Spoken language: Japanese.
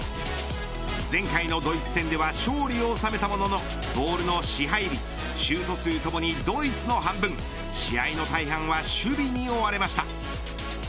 前回のドイツ戦では勝利を収めたもののボールの支配率シュート数ともにドイツの半分試合の大半は守備に追われました。